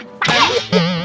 nggak tahu ya